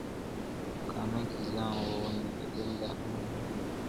په قانون کې ځان خوندي لیدل د امن مانا لري.